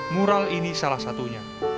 mural ini salah satunya